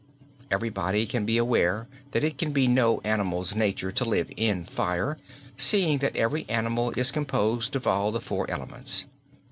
Everybody can be aware that it can be no animal's nature to live in fire seeing that every animal is composed of all the four elements.